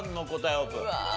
オープン。